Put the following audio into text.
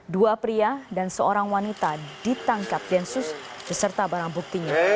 dua pria dan seorang wanita ditangkap densus beserta barang buktinya